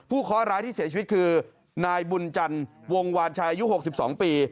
เคาะร้ายที่เสียชีวิตคือนายบุญจันทร์วงวานชายอายุ๖๒ปี